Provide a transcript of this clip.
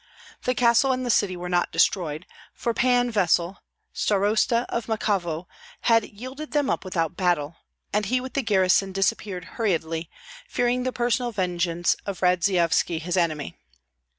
The castle and the city were not destroyed; for Pan Vessel, starosta of Makovo, had yielded them up without battle, and he with the garrison disappeared hurriedly, fearing the personal vengeance of Radzeyovski, his enemy.